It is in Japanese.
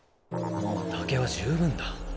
竹は充分だ。